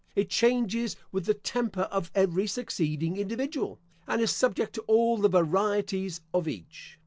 It changes with the temper of every succeeding individual, and is subject to all the varieties of each.